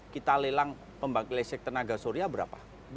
kita lelang pembangunan lesik tenaga surya berapa